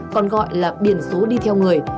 còn gọi là biển số đi theo người